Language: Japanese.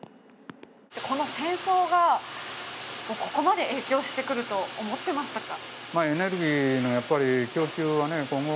この戦争が、ここまで影響してくると思ってましたか？